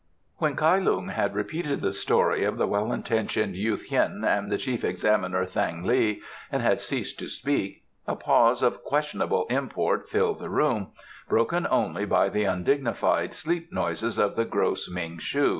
* When Kai Lung had repeated the story of the well intentioned youth Hien and of the Chief Examiner Thang li and had ceased to speak, a pause of questionable import filled the room, broken only by the undignified sleep noises of the gross Ming shu.